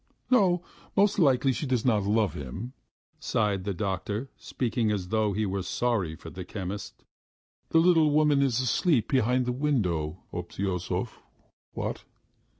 "No, most likely she does not love him," sighed the doctor, speaking as though he were sorry for the chemist. "The little woman is asleep behind the window, Obtyosov, what?